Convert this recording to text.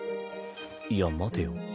いや待てよ。